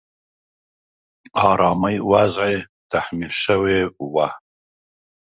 آرامي وضعې تحمیل شوې وه.